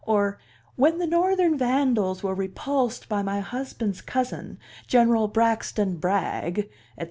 or "When the Northern vandals were repulsed by my husband's cousin, General Braxton Bragg," etc.